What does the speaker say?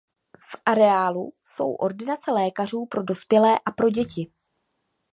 V areálu jsou ordinace lékařů pro dospělé a pro děti.